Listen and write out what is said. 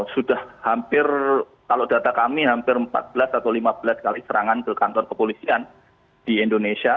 sudah hampir kalau data kami hampir empat belas atau lima belas kali serangan ke kantor kepolisian di indonesia